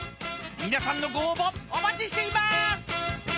［皆さんのご応募お待ちしていまーす！］